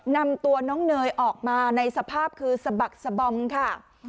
นำตัวน้องเนยออกมาในสภาพคือสะบักสะบอมค่ะ